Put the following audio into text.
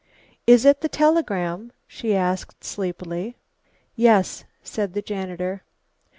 "Is it the telegram?" she asked sleepily. "Yes," said the janitor.